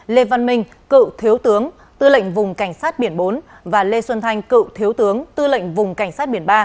lê văn minh cựu thiếu tướng tư lệnh vùng cảnh sát biển bốn và lê xuân thanh cựu thiếu tướng tư lệnh vùng cảnh sát biển ba